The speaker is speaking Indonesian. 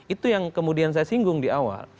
itu yang kemudian saya singgung di awal